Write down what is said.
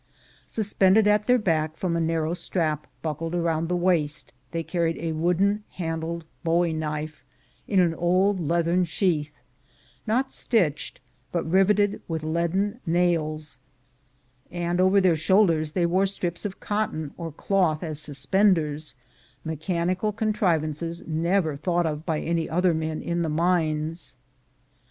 Suspended at their back from a narrow strap buckled round the waist they carried a wooden handled bowie knife in an old leathern sheath, not stitched, but riveted with leaden nails; and over their shoulders they wore strips of cotton or cloth as sus penders — mechanical contrivances, never thought of by any other men in the mines.